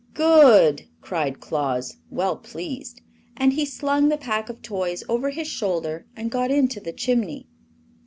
"Good!" cried Claus, well pleased, and he slung the pack of toys over his shoulder and got into the chimney.